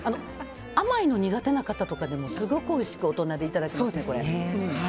甘いの苦手な方とかでもすごくおいしくいただけますね。